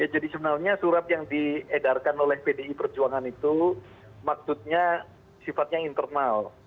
jadi sebenarnya surat yang diedarkan oleh pdi perjuangan itu maksudnya sifatnya internal